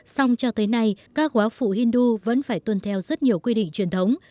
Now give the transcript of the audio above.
xong cho tới nay các quá phụ hindu vẫn phải tuân theo rất nhiều quy định truyền thống